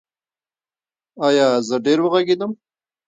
ایا زه ډیر وغږیدم؟